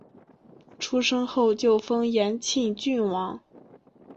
出生后就封延庆郡王。